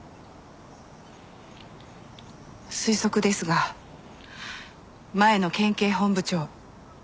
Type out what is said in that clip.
推測ですが前の県警本部長。